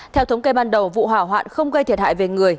theo thống kê ban đầu vụ hỏa hoạn không gây thiệt hại về người